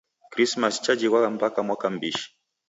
Krismasi chajighwa mpaka mwaka m'mbishi.